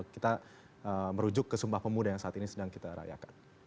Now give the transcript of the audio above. kita merujuk ke sumpah pemuda yang saat ini sedang kita rayakan